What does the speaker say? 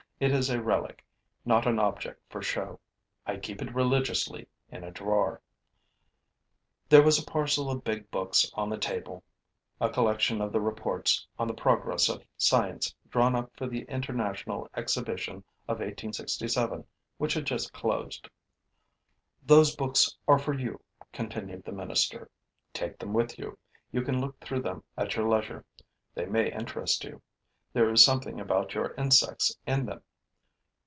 It is a relic, not an object for show. I keep it religiously in a drawer. There was a parcel of big books on the table a collection of the reports on the progress of science drawn up for the International Exhibition of 1867, which had just closed. 'Those books are for you,' continued the minister. 'Take them with you. You can look through them at your leisure: they may interest you. There is something about your insects in them.